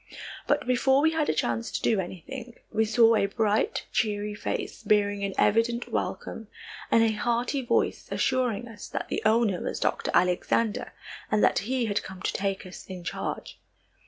But before we had a chance to do anything, we saw a bright, cheery face, bearing an evident welcome, and a hearty voice assuring us that the owner was Dr. Alexander and that he had come to take us in charge.